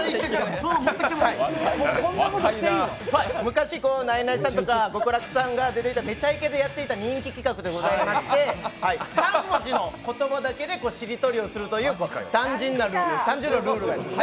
昔、ナイナイさんとか極楽さんが出ていた人気企画でございまして、３文字の言葉だけでしりとりをするという単純なルールです。